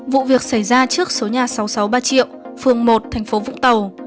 vụ việc xảy ra trước số nhà sáu trăm sáu mươi ba triệu phường một thành phố vũng tàu